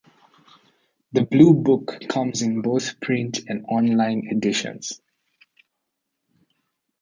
The "Blue Book" comes in both print and online editions.